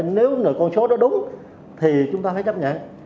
nếu con số đó đúng thì chúng ta phải chấp nhận